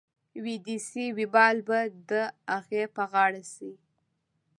وې دې سي وبال به د اغې په غاړه شي.